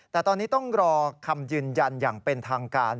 แต่ตอนนี้ต้องรอคำยืนยันอย่างเป็นทางการ